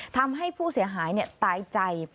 ทำให้ผู้เสียหายตายใจ